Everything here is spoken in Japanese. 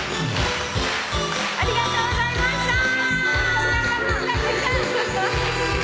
ありがとうございましたー！